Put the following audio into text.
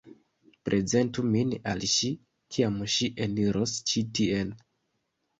Prezentu min al ŝi, kiam ŝi eniros ĉi tien!